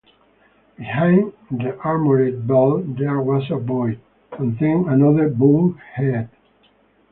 Behind the armored belt there was a void, and then another bulkhead.